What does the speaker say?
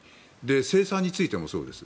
生産についてもそうです。